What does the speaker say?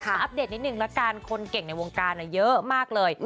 อัปเดตนิดนึงละกันคนเก่งในวงการเยอะมากเลย